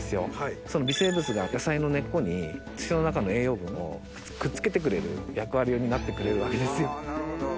その微生物が野菜の根っこに土の中の栄養分をくっつけてくれる役割を担ってくれるわけですよ。